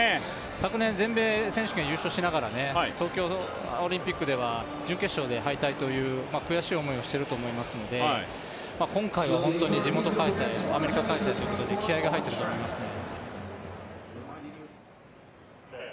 昨年、全米選手権優勝しながらね東京オリンピックでは準決勝で敗退という悔しい思いをしていると思いますので、今回は本当に地元開催、アメリカ開催ということで気合いが入っていると思いますね。